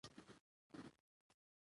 پسه د افغانستان د چاپیریال د مدیریت لپاره دي.